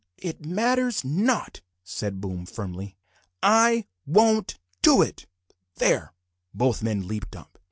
"It matters not," said Boone firmly; "I won't do it there!" Both men leaped up.